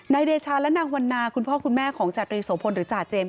เดชาและนางวันนาคุณพ่อคุณแม่ของจาตรีโสพลหรือจ่าเจมส